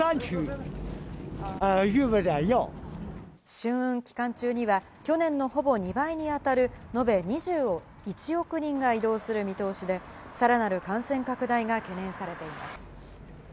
春運期間中には、去年のほぼ２倍に当たる延べ２１億人が移動する見通しで、さらなる感染拡大が懸念されています。